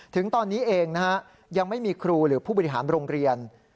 ถึงตอนนี้เองนะฮะยังไม่มีครูหรือผู้บริหารโรงเรียน